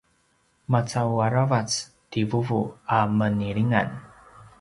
maca’u aravac ti vuvu a menilingan